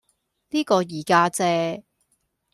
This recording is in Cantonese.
呢個二家姐